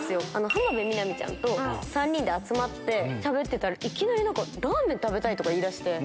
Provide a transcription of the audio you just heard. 浜辺美波ちゃんと３人で集まってしゃべってたらいきなりラーメン食べたいとか言いだして。